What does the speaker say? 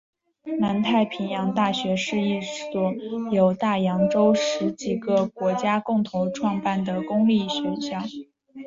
南太平洋大学是一所由大洋洲十几个国家共同创办的公立大学。